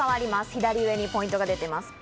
左上にポイントが出ています。